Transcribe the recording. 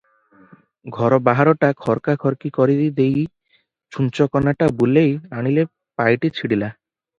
ଘର ବାହାରଟା ଖର୍କାଖର୍କି କରି ଦେଇ ଛୁଞ୍ଚକନାଟା ବୁଲେଇ ଆଣିଲେ ପାଇଟି ଛିଡ଼ିଲା ।